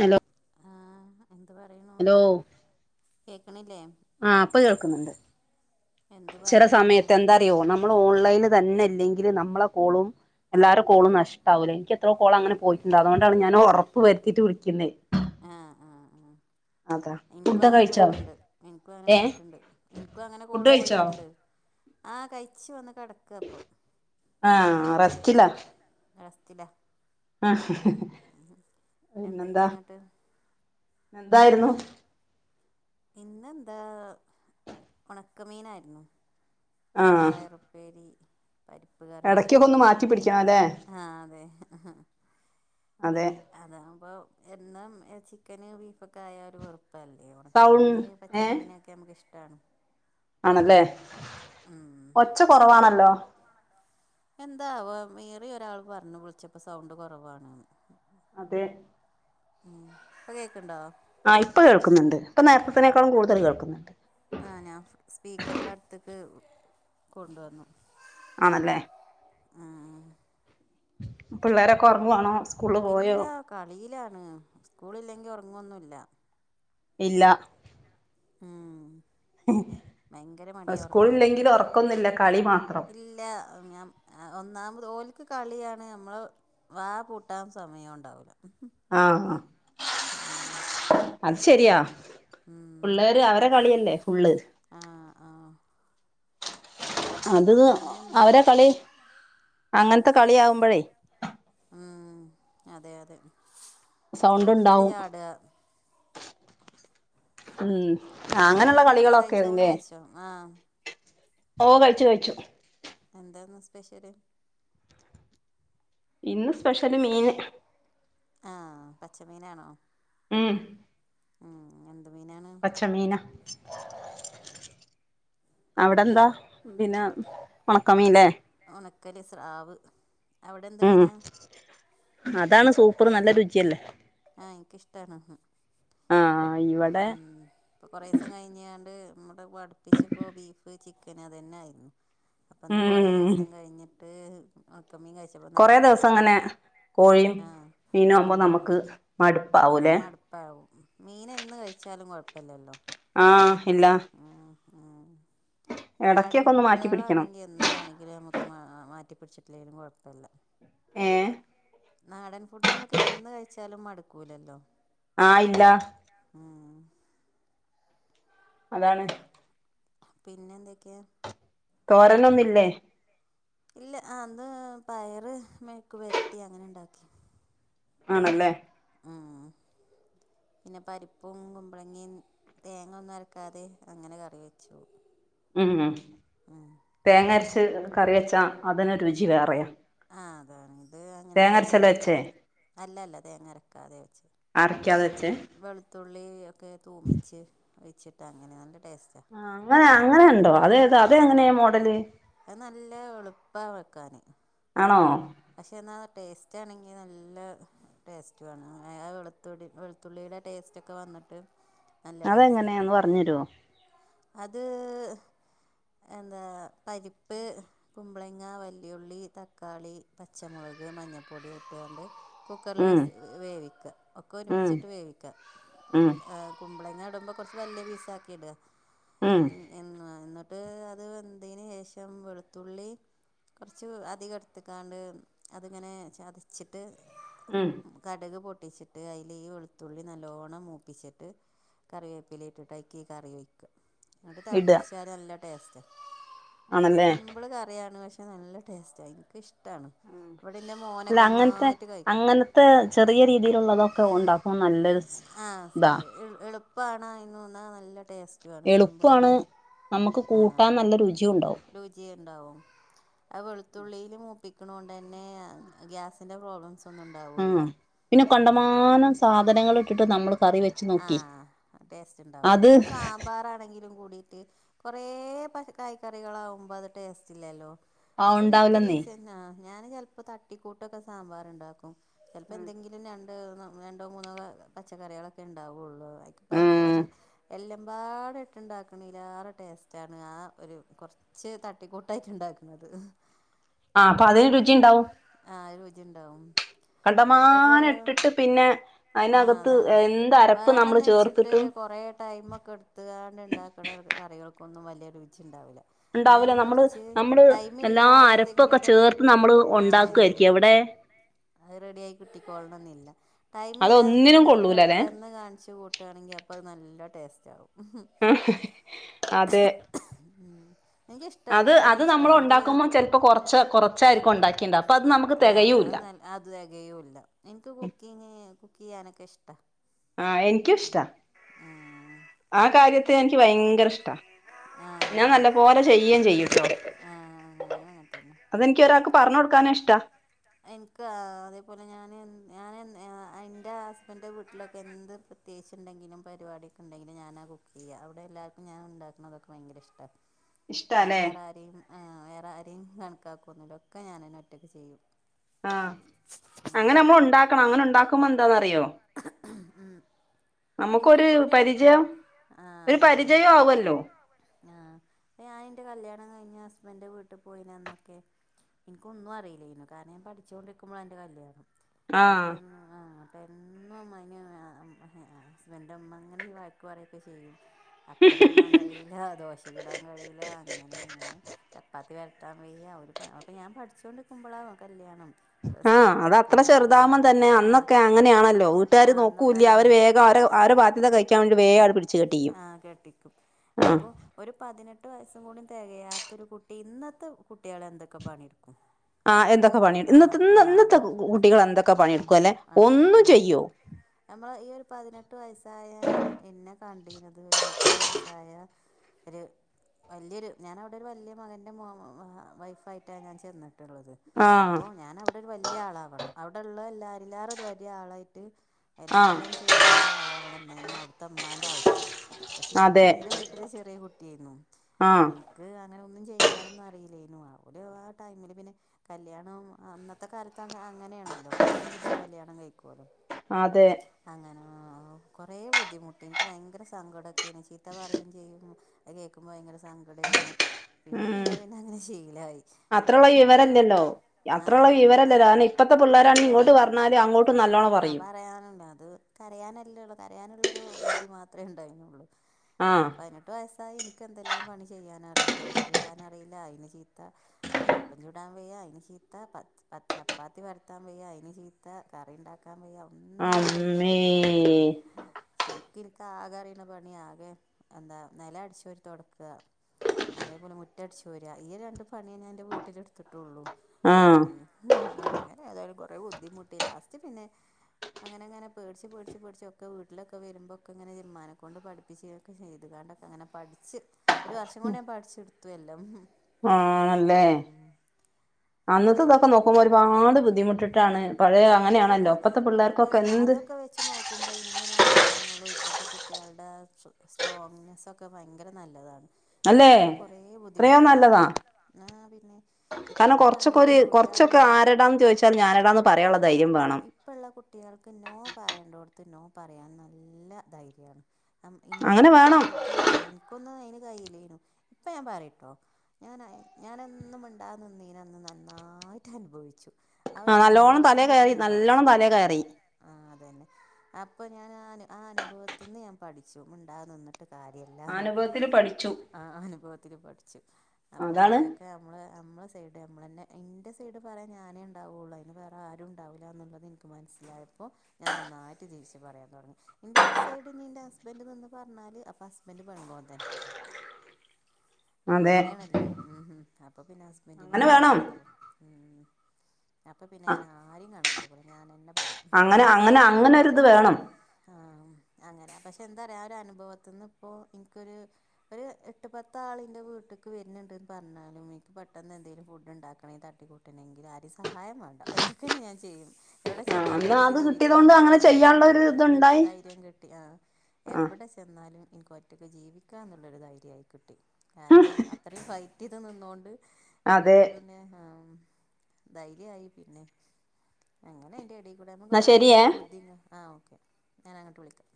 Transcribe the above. Hello ആഹ എന്ത് പറയണ ഹലോ കേക്കണില്ലേ ആഹ് അപ്പൊ കേൾക്കുന്നുണ്ട് എന്ത് ചെറ പറയുന്നു സമയത്ത് എന്താ അറിയോ നമ്മൾ ഓൺലൈന് തന്നെ അല്ലെങ്കിൽ നമ്മളെ കോളും എല്ലാരും കോളും നഷ്ടാവില്ല എനിക്ക് എത്രോ കോള അങ്ങനെ പോയിട്ടുണ്ട് അതുകൊണ്ടാണ് ഞാനൻ ഉറപ്പ് വരുത്തിയിട്ട വിളിക്കുന്നത് ആഹ് ആഹ് ആഹ് എനിക്കും ഫുഡ് അങ്ങനെ കഴിച്ചോ പോയിട്ടുണ്ട് എനിക്കും അങ്ങനെ ഏ പോയിട്ടുണ്ട് എനിക്കും അങ്ങനെ ഫുഡ് കോള് കഴിച്ചോ പോയിട്ടുണ്ട് ആഹ് കഴിച്ച വന്ന് കിടക്ക അപ്പൊ ആഹ് റസ്റ്റില റസ്റ്റില [unintelligible] എന്തക്കെങ്ങട്ട് എന്തായിര്ന്നു ഇന്നെന്താ ഒണക്കമീനായിരുന്നു ആ പിന്നെ പയറുപ്പേരി പരിപ്പ് കറി ഇടക്കൊക്കെ ഒന്ന് മാറ്റി പിടിക്കണം അല്ലേ ആഹ് അതെ [unintelligible] അതെ അതാവുമ്പം എന്നും ഏഹ് ചിക്കന് ബീഫൊക്കെ ആയ ഒരു വെറു പ്പല്ലേ സൗണ്ട് ഒണക്കമീന് ഏ പച്ച മീന് ഒക്കെ നമ്മക്കിഷ്ട്ടാണ്. ആണല്ലേ. ഒച്ച കൊറവാണല്ലോ എന്താവോ വേറെ ഒരാൾ പറഞ്ഞു വിളിച്ചപ്പോ സൗണ്ട് കുറവാണ്ന്ന് അതെ മ് ഇപ്പൊ കേക്ക്ണ്ടോ ആഹ് ഇപ്പ കേൾക്കുന്നുണ്ട്. ഇപ്പൊ നേരത്തത്തിനേക്കാളും കൂടുതൽ കേൾക്കുന്നുണ്ട്. ആഹ് നാം സ്പീക്കർൻ്റെ അട്ത്ത്ക്ക് കൊണ്ടുവന്നു. ആണല്ലേ ആഹ് പിള്ളേരൊക്കൊ ഒറങ്ങുവാണോ? ഇല്ലാ കളീല്ലാണ്. സ്കൂളില്ലെങ്കി ഒറങ്ങൊന്നുല്ല. ഇല്ല ഉം ഭയങ്കര മടിയ ഉറങ്ങാന് സ്കൂളില്ലെങ്കിൽ ഉറക്കൊന്നുമില്ല കളി മാത്രം ഇല്ല ഞാൻ എ ഒന്നാമത് ഓല്ക്ക് കളിയാണ് നമ്മൾ വാ പൂട്ടാൻ സമയോണ്ടാവൂല ഹ് ഹ് ആഹ് ആഹ് അത് ശെരിയാ പിള്ളേര് അവരെ കളിയല്ലേ ഫുള്ള് ആഹ് ആഹ് അത് പിന്നെന്താ അവരെ കളി അങ്ങനത്തെ കളി ആവുമ്പഴേ ഉം അതെ അതെ സൗണ്ട് സോഫിയിൽ ഉണ്ടാവും ചാടാ ഉം അങ്ങനെള്ള കളികളൊക്കേണ് ലേ അഹ് ഓ കഴിച്ചു കഴിച്ചു എന്താന്ന് സ്പെഷ്യല് ഇന്ന് സ്പെഷ്യല് മീൻ ആഹ് പച്ചമീനാണോ മ് ഉം എന്ത് മീനാണ്? ചെമ്മീനാ അവിടെന്താ? പിന്നെ ഉണക്കമീൻലെ ഉണക്കല് സ്രാവ് അവിടെന്ത് ഉം മീനാ? അതാണ് സൂപ്പറ് നല്ല രുചിയല്ലേ. ആ എനിക്ക് ഇഷ്ടാണ് ഹ് ആഹ് ഇവിടെ ഉം ഇപ്പൊ കൊറേസം കഴിഞ്ഞാണ്ട് ഇമ്മടെ അടിപ്പിച്ച്പ്പോ ബീഫ്, ചിക്കൻ, അതന്നെ ആയിരുന്നു അപ്പൊ ഇന്ന് കൊറേ ഉം ദിവസം കഴിഞ്ഞിട്ട് ഒണക്കമീൻ കഴിച് കൊറേ ദിവസം അങ്ങനെ കോഴിയും ആഹ് മീനും ആവുമ്പോ നമക്ക് മടുപ്പാവൂലേ? ആവും മീനെന്ന് കഴിച്ചാലും കൊഴപ്പല്ലല്ലോ. ആഹ് ഇല്ല ആ ആ നാടൻ എടക്കൊക്കെ ഒന്ന് മാറ്റി പിടിക്കണം ഫുഡുകാളാണെങ്കിൽ എന്നാണെങ്കിലും നമുക്ക് മാ മാറ്റിപ്പിടിച്ചിട്ടില്ലെങ്കിലും കൊഴപ്പല്ല ഏഹ് നാടൻ ഫുഡ് ഞമ്മക്ക് എന്ന് കഴിച്ചാലും മടുക്കൂലല്ലോ. ആ ഇല്ല ആഹ് അതാണ് പിന്നെ എന്തെക്കേ? തോരനൊന്നില്ലേ? ഇല്ല ആ ഇന്ന് പയറ് മെഴുക്കുപെരറ്റി അങ്ങനെണ്ടാക്കി ആണല്ലേ ഉം പിന്നെ പരിപ്പും കുമ്പളങ്ങിം തേങ്ങ ഒന്നും അരക്കാതെ അങ്ങനെ കറി വെച്ചു ഉം തേങ്ങ അരച്ച് കറി വെച്ചാ അതിന് രുചി വേറെയാ ആ അതാണ് ഇത് അങ്ങനെ തേങ്ങ അരച്ചല്ലേ വെച്ചേ അരക്കാതെ അല്ലല്ല തേങ്ങ അരക്കാതെ വെച്ച്. അരയ്ക്കാതെച്ച്? വെളുത്തുള്ളി ഒക്കെ തൂമിച്ച് ഒഴിച്ചിട്ട് അങ്ങനെ നല്ല ടേസ്റ്റാ ആ അങ്ങനെ അങ്ങനെ ഉണ്ടോ അതേതാ അത് ആ എങ്ങനെയാ മോഡല്? അത് നല്ല എളുപ്പാ വെക്കാന് ആണോ? പക്ഷേ എന്നാ ടേസ്റ്റാണെങ്കിൽ നല്ല ടേസ്റ്റുവാണ് എ ആ വെളുത്തുള്ളി വെളു ത്തുള്ളിയുടെ ടേസ്റ്റ് ഒക്കെ വന്ന്ട്ട് [inaudible] നല്ല ടേസ്റ്റാ അതെങ്ങനെയാന്ന് പറഞ്ഞു തരുവോ അത് എന്താ പരിപ്പ്, കുമ്പളങ്ങ, വല്ലിയുള്ളി, തക്കാളി പച്ചമുളക് മഞ്ഞൾപ്പൊടി ഒക്കെയാണ്ട് കുക്കറിൽ ഉം വിസ് വേവിക്കുക ഒക്കെ ഉം ഒരുമിച്ചിട്ട് വേവിക്കുക. ഉം കുമ്പളങ്ങ നടുമ്പോ കൊറച്ച് വലൃ പീസാക്കിയിട് ഉം എന്ന എന്നിട്ട് അത് വെന്തയിന് ശേഷം വെളുത്തുള്ളി കുറച്ച് അധികം എടുത്ത്ക്കാണ്ട് അതിങ്ങനെ ചതിച്ചിട്ട് ഉം കട്ക് പൊട്ടിച്ചിട്ട് അയിൽ ഈ വെളുത്തുള്ളി നല്ലോണ്ണം മൂപ്പിച്ചിട്ട് കറിവേപ്പില ഇട്ടിട്ട് അയ്ക്കി കറി വെയ്ക്ക അത് ഇടുക തിളപ്പിച്ചാൽ നല്ല ടേസ്റ്റ് ആണല്ലേ സിമ്പ്ള് കറിയാണ് പക്ഷേ നല്ല ടേസ്റ്റാ എനിക്കിഷ്ടാണ് ഇവിടെൻ്റെ അല്ല മോനൊക്കെ അങ്ങനത്തെ നന്നായിട്ട് കഴിക്കും. അങ്ങനത്തെ ചെറിയ രീതിയിലുള്ളതൊക്കെ ഉണ്ടാക്കും [unintelligible] നല്ലത് ആ എളുപ്പാണ് ഇന്നുവന്നാ നല്ല ടേസ്റ്റ് വാണ് എളുപ്പമാണ് സിമ്പിളാണ് നമുക്ക് ആ കൂട്ടാൻ നല്ല രുചിയും ഉണ്ടാവും രുചിയുണ്ടാവും ആ വെളുത്തുള്ളിയില് മൂപ്പിക്കണൊണ്ടന്നെ ഗ്യാസിന്റെ പ്രോബ്ലംസ് ഒന്നും ആ ഉണ്ടാവില്ല പിന്നെ കണ്ടമാനം സാധനങ്ങളിട്ടിട്ട് നമ്മള് ആ ടേസ്റ്റുണ്ടാവൂല അത് ഇപ്പൊ സാമ്പാറാണെങ്കിലും കൂടിയിട്ട് കൊറേ പച്ചകായ്ക്കറികളാവുമ്പോ അതുടേസ്റ്റ് ഇല്ലല്ലോ ആഹ് നമുക്കൊരിത്തിരി ഉണ്ടാവില്ലെന്നേ സെൻ പിന്നാ ഞാനും ചെലപ്പോ തട്ടിക്കൂട്ടൊക്കെ സാമ്പാറുണ്ടാക്കും ചിലപ്പോ എന്തെങ്കിലും രണ്ടെണം രണ്ടോ മൂന്നോ പച്ചക്കറികളൊക്കെ ഉണ്ടാവുള്ളൂ അ പരിപ്പ് ഉം പക്ഷെ എല്ലാം ബാടെ ഇട്ടുണ്ടാക്കണേ ഇല്ലാറെ ടേസ്റ്റാണ് ആ ഒരു കൊറച്ച് ച്ചെ തട്ടിക്കൂട്ടായിട്ടൊണ്ടാക്കുന്നത് ആ അപ്പൊഅതിന് രുചിയുണ്ടാവും ആഹ് രുചിണ്ടാവും കണ്ടമാനം അതേപോലെ ഇട്ടിട്ട് പിന്നെ അതിനകത്ത് എന്താ വേണന്ന് വെച്ചിട്ട് കൊറെ ടൈമൊക്കെ എടു ടുത്തുകാണ്ട് ഉണ്ടാക്കുന്ന കറികൾക്കൊന്നും വലൃരുചിയുണ്ടാവില്ല ഉണ്ടാവൂല നേരെ നമ്മള് മറിച്ച് നമ്മള് എല്ലാ ടൈമില്ലാതെ അരപ്പൊക്കെ എന്തെങ്കിലുമൊക്കെ ചേർത്ത് നമ്മള് ആ അതന്നെ ഉണ്ടാക്കുവായിരിക്കും എവിടെ അതു റെഡിയായി കിട്ടിക്കോളണമെന്നില്ല ടൈമില്ലാതെ അതൊന്നിനും എന്തെങ്കിലും കൊള്ളൂലല്ലേ പെട്ടെന്ന് ന്ന് കാണിച്ചുകൂട്ടുകാണെങ്കി അപ്പൊ അത് നല്ല ടേസ്റ്റാകും ഉഹും അതെ [inaudible] അത് കുക്കിംഗ് അത് ഇഷ്ടാ നമ്മള് എനിക്ക് ഉണ്ടാക്കുമ്പോ ചിലപ്പോ കൊറച്ച് കൊറച്ചായിരിക്കും ഉണ്ടാക്കിണ്ട അപ്പൊ അത് നമ്മക്ക് ആഹ് അതാ തികയൂല്ല അത് അത് തെകയ്യൂല്ല എനിക്ക് കുക്കിങ് കുക്ക്ചെയ്യാനൊക്കെ ഇഷ്ടാ ആ എനിക്കിഷ്ടാ ഉം ആ കാര്യത്തി എനിക്ക് ഭയങ്കരിഷ്ടാ ഞാൻ ആഹ് നല്ലപോല ചെയ്യേം ചെയ്യൂട്ടോ ആഹ് ഞാനും അങ്ങനെ തന്നെ അതെനിക്ക് ഒരാക്ക് പറഞ്ഞു കൊടുക്കാനും ഇഷ്ടാ എനിക്ക് അതേപോലെ ഞാന് ഞാന് എ എൻ്റെ ഹസ്ബൻ്റെവീട്ടിലൊക്കെ എന്ത് കേസുണ്ടെങ്കിലും പരിപാടിയൊക്കെണ്ടെങ്കിലും ഞാനാ കുക്കുചെയ്യുക അവിടെ എല്ലാർക്കും ഞാനുണ്ടാക്കണതൊക്കെ ഭയങ്കര ഇഷ്ടാ [inaudible] ഞാൻ വേറെ ആരെയും ആ വേറെ ആരേം കണക്കാക്കൊന്നുമില്ല ഒക്കെ ഞാനന്നെ ഒറ്റക്കുചെയ്യും ആ അങ്ങനെ നമ്മ ഉണ്ടാക്കണം അങ്ങനെ ഉണ്ടാക്കുമ്പോ എന്താന്നറിയോ ഉ ഉം നമുക്കൊരു എനിക്കിപ്പോരു പരിചയം ആ ഒരു അതാണ് പരിചയം ആവല്ലോ ആ ഞാനെന്റെ കല്യാണം കഴിഞ്ഞ് ഹസ്ബന്റെ വീട്ടി പോയിനിന്നൊക്കെ എനിക്കൊന്നും അറിയില്ലായിരുന്നു കാരണം ഞാൻ പഠിച്ചുകൊണ്ടിരിക്കുമ്പോഴാ എന്റെ കല്യാണം അപ്പൊ ആഹ് എന്നു ആ അപ്പ എന്നും അമ്മായിമ്മ അ ഹസ്ബൻറ്റെ അമ്മ അങ്ങനെ ഒഴി കൊറേക്കെ ചെയ്യും അപ്പം ചൂടാൻ കഴിയില്ല ദോശ ചൂടാൻ കഴിയില്ല അങ്ങനെ ഇങ്ങനെ ചപ്പാത്തി പരത് തമിഴിലാ അവര് അപ്പൊ അപ്പ ഞാൻ പഠിച്ചുകൊണ്ടിരിക്കുമ്പോളാ വ കല്യാണം പ്ലസ് ആ ടുവിൽ അത് അത്ര പഠിക്കുമ്പോളാ ചെറുതാമ്മം കല്യാണം തന്നെ ആഹ് അന്നൊക്കെ ഇ അങ്ങനെയാണല്ലോ വീട്ടുകാര് ആഹ് അന്നൊക്കെ നോക്കൂല്ലൃ അവര് അതാണ് വേഗം അവരെ അവരുടെ ബാധ്യത കഴിക്കാൻ വേണ്ടി വേഗം അവര് പിടി ആ കെട്ടിക്കും അപ്പൊ ഒരു പതിനെട്ട് വയസ്സും കൂടി തികയാത്തൊരു കുട്ടി ഇന്നത്തെ കുട്ടികളെന്തൊക്കെ പണിയെടുക്കും ആ എന്തൊക്കെ പണിയെ ആ ഇന്നത്തെ ഇ ആ ഇന്നത്തെ അതെ കുട്ടികൾ എന്തൊക്കെ പണിയെടുക്കും അല്ലെ ഒന്നും ചെയ്യോ നമ്മെള് ഈയൊരു പതിനെട്ടു വയസ്സായ മ എന്നെ കണ്ടീനത് ഒരു മുപ്പതുവയസ്സായ ഒരു വലൃൊരു ഞാനവിടെ ഒരു വലൃ മകൻ്റെ മ മാ വൈഫായിട്ടാ ഞാൻ ചെന്നെ ആഹ് അപ്പോ ഞാനവിടെ ഒരു വലൃ ആളാവണം അവിടൊള്ള എല്ലാ എല്ലാറും ഒരു വലിയആളായിട്ട് ആഹ് എല്ലാം ചെയ്യണ ഒരാളാവണമെന്നായിരുന്നു അവിടത്തെ ഉമ്മാന്റെ ആവശ്യം പക്ഷേ ഞാൻ അതെ എന്റെ വീട്ടിലെ ചെറിയകുട്ടിയായിരുന്നു ആഹ് എൻ ക്ക് അങ്ങനെ ഒന്നും ചെയ്യാനൊന്നും അറിയില്ലയ്നു അവടെ ആഹ് ടൈമില് പിന്നെ കല്യാണം അന്നത്തെ കാലത്ത് അങ്ങനെയാണല്ലോ പെട്ടെന്ന് പിടിച്ച് കല്യാണം കഴിക്കുല്ലോ അതെ അങ്ങനെ കൊറെ ബുദ്ധിമുട്ട് ഇക്ക് ഭയങ്കര സങ്കടൊക്കെയ്നി ചീത്ത പറയും ചെയ്യും അത് കേൾക്കുമ്പോ ഭയങ്കര സങ്കടം യ്ന്നു പിന്നെ പിന്നെ പിന്നെ അങ്ങനെ ശീലയി അത്രുള്ള വിവരന്തേണ്ടോ അത്രുള്ള അതാണ് ഇപ്പം വിവരമല്ലോ അതിന് കാര ഇപ്പഴത്തെ പിള്ളേരാണ് ഇങ്ങോട്ട് പറഞ്ഞാല് അങ്ങോട്ട് ആഹ് പറയാനല്ലത് കരയാനല്ലേള്ള കരയാനുള്ളൊരു ബുദ്ധി മാത്രമേ ഉണ്ടായിന്നുള്ളു ആഹ് പതിനെട്ട് വയസ്സായി എനക്ക് എന്തെല്ലാം പണി ചെയ്യാൻറിയും ദോശ ചൂടാൻറിയില്ല അയിന് ചീത്ത അപ്പൻ ചൂടാൻ വയ്യ അതിന് ചീത്താ പ ചപ്പാത്തി വരത്താൻ വയ്യ അയിന് ചീത്ത ത്ത കറി ഉണ്ടാക്കാൻ വെയ്യ ഒന്നിനും അമ്മേ വെയ്യാന്നുള്ളൊരു ശരിക്ക് ഇൻക്ക് ആകെ അറിണ പണി ആകെ എന്താ നെല അടിച്ചു വാരി തൊടക്ക അതേപോലെ മുറ്റടിച്ച് വാര അതേ പൊലെ ഈ രണ്ട് പണിയെ ഞാ ഉൻ്റെ വീട്ടില് ഇട്ത്തിട്ടുള്ളു ആഹ് അങ്ങനെ ഏതായാലും കുറെ ബുദ്ധിമുട്ടി ലാസ്റ്റ് പിന്നെ അങ്ങനെ അങ്ങനെ പേടിച്ച് പേടിച്ച് ച്ചൊക്കെ വീട്ട്ലൊക്കെ വരുമ്പോക്കെ ഇങ്ങനെ മ്മാനെ കൊണ്ട് പഠിപ്പിച്ച് ക്കെ ചെയ്തുകണ്ടൊക്കെ അങ്ങനെ പഠിച്ച് ഒരു വർഷം കൊണ്ട് ഞാൻ പഠിച്ചെടുത്തുല്ലാം ആണല്ലേ അന്നത്തെ ഇതൊക്കെ നോക്കുമ്പോൾ ഒരുപാട് ബുദ്ധിമുട്ട് ണ് ഏ പഴയ അങ്ങനെയണല്ലോ ഇപ്പൊക്കെ ഒപ്പത്തെ പിള്ളേർക്കൊക്കെ എന്ത് ക്കുമ്പ ഇന്നുള്ള നിയമങ്ങളും ഇപ്പോഴത്തെ കുട്ടികളുടെ സ്ട്രോങ്നെസ്സൊക്കെ ഭയങ്കര നല്ലതാണ് അല്ലേ ഞാനൊക്കെ കൊറ എത്രയോ ബുദ്ധിമുട്ടി ആഹ് നല്ലതാ ആഹ് പിന്നെ ഇപ്പ കാരണം അങ്ങനെ കുറച്ചൊക്കെ ഒരു പറയുമ്പട്ട കുറച്ചൊക്കെ ആരടാന്ന് ചോദി ഞാനട ഇപ്പള്ള കുട്ടികൾക്ക് നോ പറയണ്ടാട്ത്ത് നോ പറയാൻ നല്ല ധൈര്യമാണ് ഇന്റെ അങ്ങനെ ഒന്നും വേണം കാലത്ത് ഇൻക്കൊന്നും അയിന് കയ്യില്ലേനു ഇപ്പൊ ഞാൻ പറയുട്ടോ ഞാന ഞാനെന്നും മിണ്ടാതെ നിന്നീനന്ന് നന്നായിട്ട് അനുഭവിച്ചു ആഹ് ആ ഒരു നല്ലോണം തലേ അനുഭവത്തിന്ന് പ്പ കയറി ഞാൻ നല്ലോണം പഠിച്ചു തലേ കയറി ആഹ് അതന്നെ അപ്പൊ ഞാൻ ആഹ് അനുഭവത്തിന്ന് ഞാൻ പഠിച്ചു മുണ്ടാതെ നിന്നിട്ട് ട്ട് കാര്യല്ല അനുഭവത്തിൽ പഠിച്ചു ആഹ് അനുഭവത്തില് പഠിച്ചു അപ്പോ അതാണ് കുറെക്കെ നമ്മള് നമ്മള് സൈഡ് നമ്മളന്നെ ഇൻ്റെ സൈഡ് പറയാ ഞാനേ ഉണ്ടാവുകയുള്ളൂ അതിന് വേറെ ആരും ഉണ്ടാവില്ല ന്നുള്ളത് എനിക്ക് മനസ്സിലായപ്പോൾ ഞാൻ നന്നായിട്ട് തിരിച്ച് പറയാൻ തുടങ്ങി ഇന്റെ വെബ്സൈഡ് ഇൻന്റെ ഹസ്ബന്റ് പറഞ്ഞാല് അപ്പൊ ഹസ്ബന്റ് പെൺ കോന്തൻ [inaudible] അങ്ങനെയാണല്ലോ ഉം ഉം അപ്പൊ പിന്നെ ഹസ്ബൻറിന്നും അങ്ങനെ വേണം പഴിയും അപ്പൊ ഉം അപ്പൊ പിന്നെ ഞാന് ആരും കണക്കാക്കൂല്ല ഞാനന്നെ പറയും അങ്ങനെ അങ്ങനെ അങ്ങനൊരിത് വേണം ആഹ് അങ്ങനെ പക്ഷെ എന്താ പറയാ ഒരു അനുഭവത്തിന്ന് ഇപ്പോ ഇൻക്കൊരു ഒരു എട്ട് പത്താളിൻ്റെ വീട്ട്ക്ക് വരുന്നുണ്ട്ന്ന് പറഞ്ഞാലും എനിക്ക് പെട്ടെന്ന് എന്തെങ്കലും ഫുഡ് ഉണ്ടാക്കണെങ്ക തട്ടിക്കൂട്ട് ട്ടണെങ്കിൽ ആ രിം സഹായം വേണ്ട ഒറ്റക്കന്നെ ഞാൻ ചെയ്യും എവിടെ ആ ചെന്നാലും അന്ന് ഒറ്റയ്ക്ക് അത് കിട്ടിയത് ജീവിക്കാ കൊണ്ട് അങ്ങനെ ന്നുള്ളൊരു ധൈര്യം ചെയ്യാനുള്ള പോലെ ഒരു ഇതുണ്ടായി ധൈര്യം കിട്ടി ആഹ് ആ എവിടെ ചെന്നാലും എനിക്ക് ഒറ്റയ്ക്ക് ജീവിക്കാന്നുള്ളൊരു ധൈര്യമായി കിട്ടി കാരണം അത്രയും വൈ ട്ടിത് നിന്നൊണ്ട് അതെ നമുക്ക് പിന്നെ ധൈര്യമായി പിന്നെ അങ്ങനെ അയ്ന്റെ എടയിൽ കൂടെ എന്നാ നമ്മുക്ക്ന്ന ശരിയേ അങ്ങനുള്ള ബുദ്ധി ആഹ് ഓക്കെ ഞാനങ്ങട്ട് വിളിക്കാം